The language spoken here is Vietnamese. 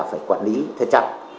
phải quản lý thật chặt